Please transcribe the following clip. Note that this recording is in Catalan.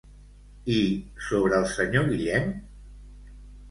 I sobre el senyor Guillem?